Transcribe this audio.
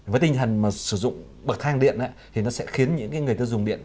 với tinh thần mà sử dụng bậc thang điện thì nó sẽ khiến những người tiêu dùng điện